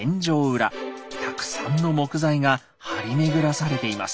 たくさんの木材が張り巡らされています。